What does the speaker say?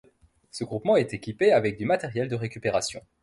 Ce groupement est équipé avec du matériel de récupération.